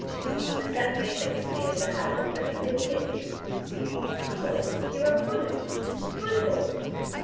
Does that mean that you've been in the habit of letting men kiss you?' 'Colin, you are rude brutal.'